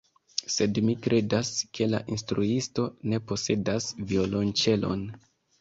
Sed mi kredas, ke la instruisto ne posedas violonĉelon.